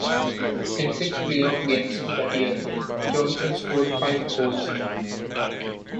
In six playoff games that year, Johnson scored five goals.